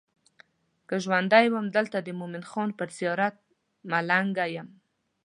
که ژوندی وم دلته د مومن خان پر زیارت ملنګه یم.